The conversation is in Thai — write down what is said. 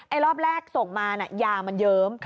ไอ้รอบแรกส่งมาน่ะยามันเยิ้ม